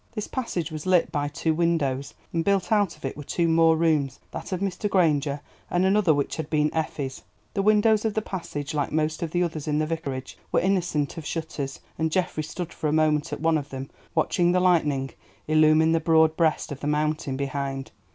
This passage was lit by two windows, and built out of it were two more rooms—that of Mr. Granger, and another which had been Effie's. The windows of the passage, like most of the others in the Vicarage, were innocent of shutters, and Geoffrey stood for a moment at one of them, watching the lightning illumine the broad breast of the mountain behind.